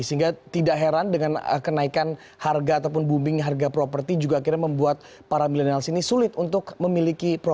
sehingga tidak heran dengan kenaikan harga ataupun booming harga properti juga akhirnya membuat para milenials ini sulit untuk memiliki